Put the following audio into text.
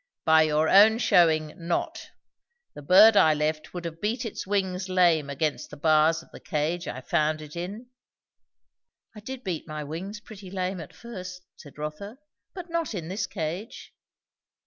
"By your own shewing, not. The bird I left would have beat its wings lame against the bars of the cage I found it in." "I did beat my wings pretty lame at first," said Rotha; "but not in this cage."